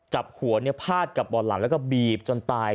จับหัวพาดกับบ่อนหลังแล้วก็บีบจนตาย